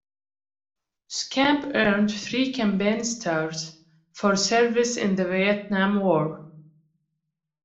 "Scamp" earned three campaign stars for service in the Vietnam War.